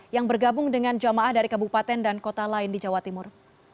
yang bergabung dengan jamaah dari kabupaten dan kota lain di jawa timur